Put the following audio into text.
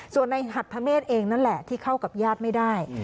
ส่วนในหัทธเมฆเองนั่นแหละที่เข้ากับญาติไม่ได้